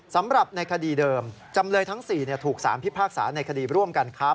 สำหรับในคดีเดิมจำเลยทั้ง๔ถูกสารพิพากษาในคดีร่วมกันค้า